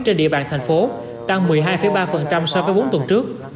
trên địa bàn tp hcm tăng một mươi hai ba so với bốn tuần trước